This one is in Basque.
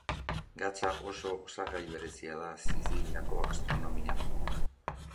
Gatza oso osagai berezia da Siziliako gastronomian.